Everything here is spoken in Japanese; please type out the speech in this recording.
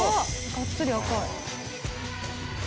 がっつり赤い。